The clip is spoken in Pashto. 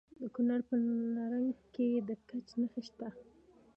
د کونړ په نرنګ کې د ګچ نښې شته.